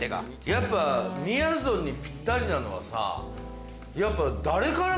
やっぱみやぞんにぴったりなのはさやっぱ。